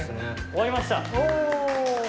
終わりました！